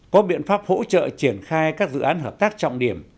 có biện pháp hỗ trợ triển khai các dự án hợp tác trọng điểm